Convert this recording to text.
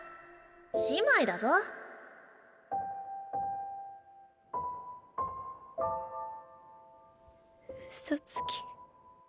姉妹だぞうそつき。